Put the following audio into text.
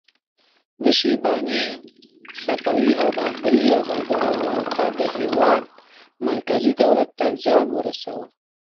د شیباني، صفوي او بابري یرغلګرو ولکه د هیواد مرکزي دولت ته زیان ورساوه.